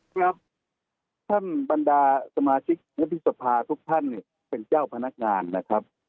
ครับท่านบรรดาสมาชิกวุฒิสภาทุกท่านเนี่ยเป็นเจ้าพนักงานนะครับ